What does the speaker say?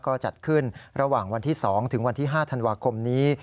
ก็จัดขึ้นระหว่างวันที่๒ถึงวันที่๕ธันวาคมนี้